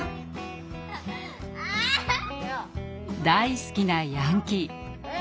大好きなヤンキー。